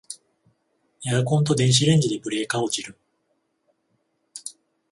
エアコンと電子レンジでブレーカー落ちる